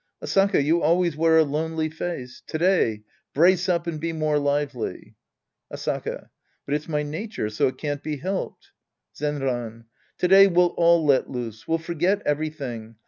Asaka, you always wear a lonely face. To day, brace up and be more lively. Asaka. But it's my nature, so it can't be helped. Zenran. To day we'll all let loose. ■* We'll forget ev^iything.